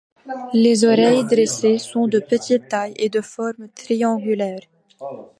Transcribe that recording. Les oreilles dressées sont de petite taille et de forme triangulaire.